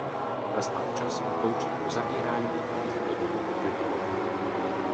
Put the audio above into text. Nastal čas ukončit uzavírání takovýchto dohod o rybolovu.